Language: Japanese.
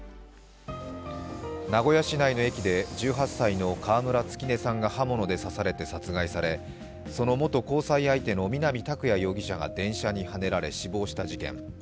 名古屋市内の駅で１８歳の川村月音さんが刃物で刺されて殺害されその元交際相手の南拓哉容疑者が電車にはねられ死亡した事件。